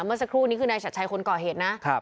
เมื่อสักครู่นี้คือนายชัดชัยคนก่อเหตุนะ